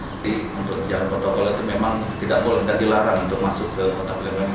jadi untuk jalan protokol itu memang tidak boleh jadi larang untuk masuk ke kota palembang